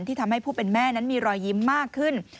ทำให้ผู้เป็นแม่นั้นมีรอยยิ้มมากขึ้น